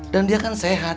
dan dia kan sehat